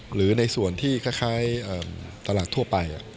หรือในส่วนที่คล้ายตลาดทั่วไป